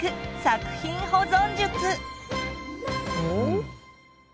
お？